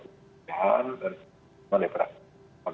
kita khawatirkan dari permasalahan